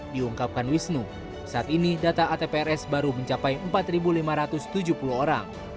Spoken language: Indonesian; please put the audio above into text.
diungkapkan wisnu saat ini data atprs baru mencapai empat lima ratus tujuh puluh orang